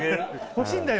欲しいんだよ